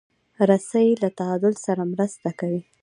رسۍ له تعادل سره مرسته کوي.